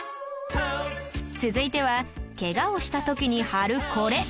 続いてはけがをした時に貼るこれ